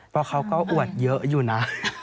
เพราะเขาก็อวดเยอะอยู่นะ